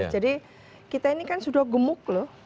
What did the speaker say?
jadi kita ini kan sudah gemuk loh